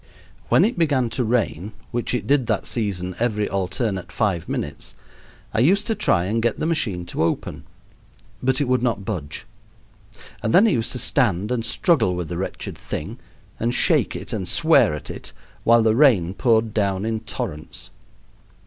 When it began to rain, which it did that season every alternate five minutes, I used to try and get the machine to open, but it would not budge; and then I used to stand and struggle with the wretched thing, and shake it, and swear at it, while the rain poured down in torrents.